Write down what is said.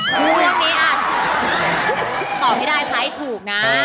ช่วงนี้อ่ะตอบให้ได้ไทยถูกนะ